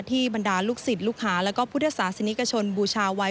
บรรดาลูกศิษย์ลูกหาแล้วก็พุทธศาสนิกชนบูชาไว้